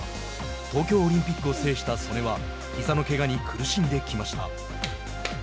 東京オリンピックを制した素根はひざのけがに苦しんできました。